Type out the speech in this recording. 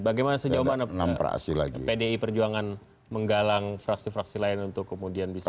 bagaimana sejauh mana pdi perjuangan menggalang fraksi fraksi lain untuk kemudian bisa